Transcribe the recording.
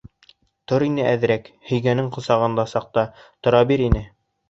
Тор ине әҙерәк, һөйгәнең ҡосағыңда саҡта тора бир ине.